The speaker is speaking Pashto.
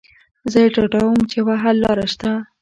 زه ډاډه وم چې يوه حللاره شته.